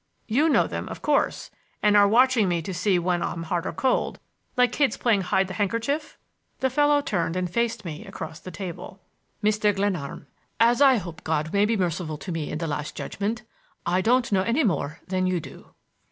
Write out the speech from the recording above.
"You know them, of course, and are watching me to see when I'm hot or cold, like kids playing hide the handkerchief." The fellow turned and faced me across the table. "Mr. Glenarm, as I hope God may be merciful to me in the last judgment, I don't know any more than you do."